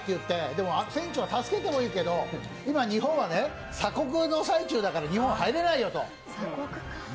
でも、船長は助けてもいいけど、今、日本は鎖国の最中だから日本は入れないよと。